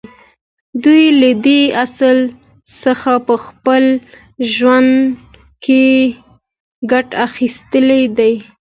دوی له دې اصل څخه په خپل ژوند کې ګټه اخیستې ده